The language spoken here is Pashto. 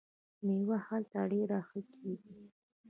میوه هلته ډیره ښه کیږي.